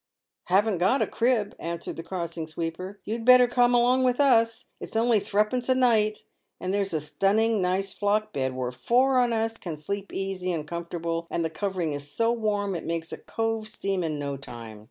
"Haven't got a crib!" answered the crossing sweeper. " You'd better come along with us. It's only thruppence anight, and there's a stunning nice flock bed where four on us can sleep easy and com fortable, and the covering is so warm it makes a cove steam in no time.